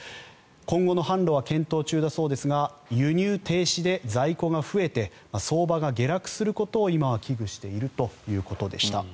今後の販路は検討中だそうですが輸入停止で在庫が増えて相場が下落することを今は危惧しているということでした。